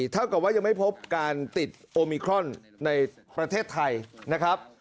เท่ากับว่ายังไม่พบการติดโอมิครอนในประเทศไทยนะครับ